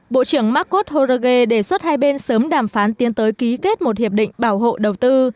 bộ trưởng marcos jorge đề xuất hai bên sớm đàm phán tiến tới ký kết một hiệp định bảo hộ đầu tư